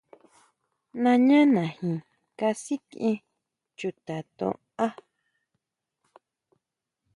Nañánaji kasikʼien chuta ton á.